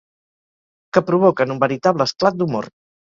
Que provoquen un veritable esclat d'humor.